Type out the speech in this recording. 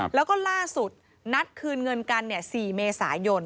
แล้วก็ล่าสุดนัดคืนเงินกัน๔เมษายน